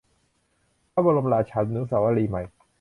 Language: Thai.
พระบรมราชานุสาวรีย์ใหม่